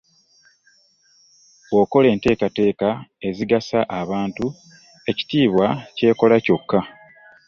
Bw'okola enteekateeka ezigasa abantu, ekitiibwa kyekola kyokka.”